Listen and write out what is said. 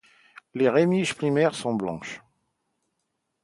Les rémiges primaires sont blanches.